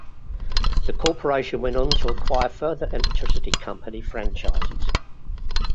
The corporation went on to acquire further electricity company franchises.